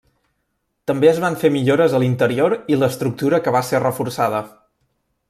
També es van fer millores a l'interior i l'estructura que va ser reforçada.